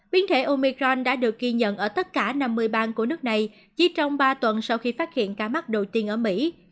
biến thể omecron đã được ghi nhận ở tất cả năm mươi bang của nước này chỉ trong ba tuần sau khi phát hiện ca mắc đầu tiên ở mỹ